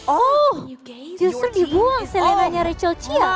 oh justru dibuang selenanya rachel chia